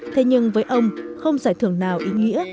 thế nhưng với ông không giải thưởng nào ý nghĩa